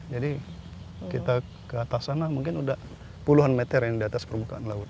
jadi kita ke atas sana mungkin sudah puluhan meter yang di atas permukaan laut